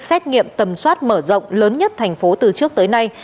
xét nghiệm tầm soát mở rộng lớn nhất thành phố từ trước tới nay